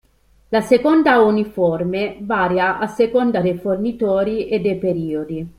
La seconda uniforme varia a seconda dei fornitori e dei periodi.